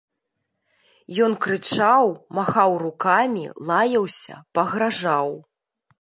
Ён крычаў, махаў рукамі, лаяўся, пагражаў.